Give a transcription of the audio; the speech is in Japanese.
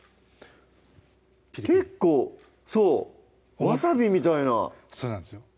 ピリピリ結構そうわさびみたいなそうなんですよ